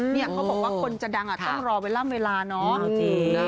เนี่ยเขาบอกว่าคนจะดังอ่ะต้องรอเวลาเวลาเนอะ